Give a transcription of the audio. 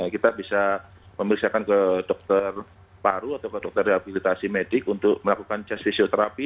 kita bisa memeriksakan ke dokter paru atau ke dokter dihabilitasi medik untuk melakukan just fisioterapi